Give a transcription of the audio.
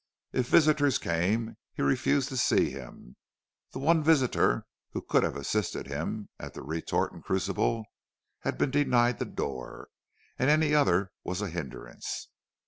If visitors came he refused to see them; the one visitor who could have assisted him at the retort and crucible had been denied the door, and any other was a hindrance.